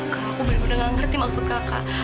kak aku benar benar gak ngerti maksud kakak